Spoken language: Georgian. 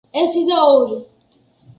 ერთი და ორი.